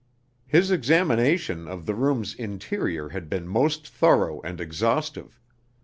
His examination of the room's interior had been most thorough and exhaustive.